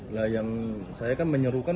lah yang saya kan menyerukan